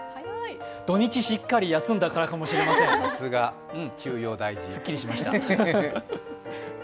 土日しっかり休んだからかもしれません、すっきりしました。